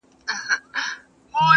خیراتونه اورېدل پر بې وزلانو؛